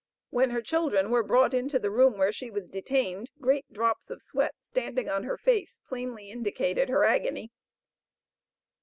When her children were brought into the room where she was detained, great drops of sweat standing on her face plainly indicated her agony.